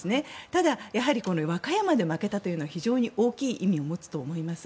ただ、和歌山で負けたというのは非常に大きい意味を持つと思います。